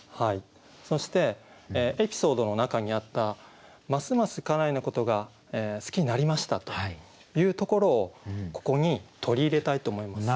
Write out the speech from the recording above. そしてエピソードの中にあった「ますます家内のことが好きになりました」というところをここに取り入れたいと思います。